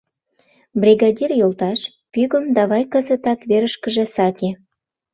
Бригадир йолташ, пӱгым давай кызытак верышкыже саке!